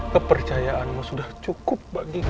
kepercayaanmu sudah cukup bagiku